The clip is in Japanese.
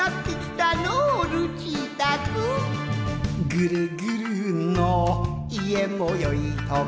「ぐるぐるの家もよいとこ」